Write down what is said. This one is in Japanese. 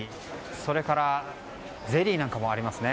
それからゼリーなんかもあります。